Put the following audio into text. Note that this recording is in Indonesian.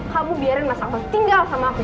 kamu biarkan mas akmal tinggal sama aku